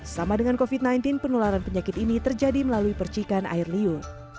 sama dengan covid sembilan belas penularan penyakit ini terjadi melalui percikan air liu